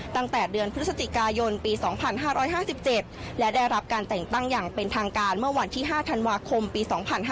ตั้งแต่เดือนพฤศจิกายนปี๒๕๕๗และได้รับการแต่งตั้งอย่างเป็นทางการเมื่อวันที่๕ธันวาคมปี๒๕๕๙